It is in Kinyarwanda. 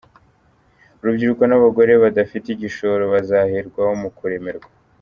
Urubyiruko n’abagore badafite igishoro bazaherwaho mu kuremerwa